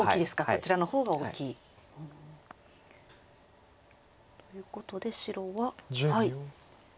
こちらの方が大きい。ということで白は。